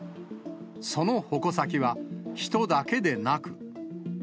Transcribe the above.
その矛先は、人だけでなく。